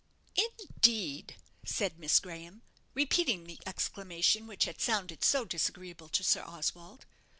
"Indeed!" said Miss Graham, repeating the exclamation which had sounded so disagreeable to Sir Oswald.